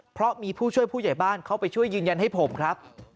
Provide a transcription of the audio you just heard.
เพราะมีผู้ช่วยผู้ใหญ่บ้านเข้าไปช่วยยืนยันให้ผมครับ